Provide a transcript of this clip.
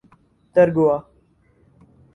Dargwa